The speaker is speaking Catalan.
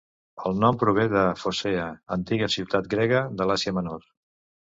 El nom prové de Focea, antiga ciutat grega de l'Àsia Menor.